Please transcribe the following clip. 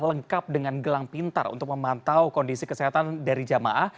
lengkap dengan gelang pintar untuk memantau kondisi kesehatan dari jamaah